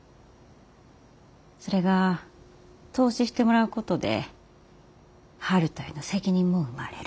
それが投資してもらうことで悠人への責任も生まれる。